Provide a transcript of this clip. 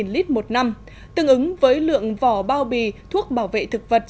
ba trăm linh lít một năm tương ứng với lượng vỏ bao bì thuốc bảo vệ thực vật